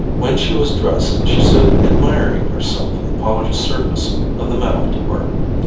When she was dressed, she stood admiring herself in the polished surface of the metal door.